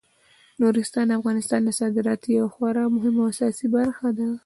نورستان د افغانستان د صادراتو یوه خورا مهمه او اساسي برخه ده.